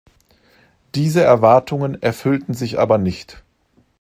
Diese Erwartungen erfüllten sich aber nicht.